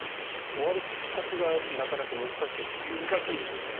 終わるきっかけがなかなか難しいということですね。